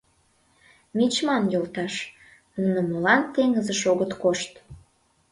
— Мичман йолташ, нуно молан теҥызыш огыт кошт?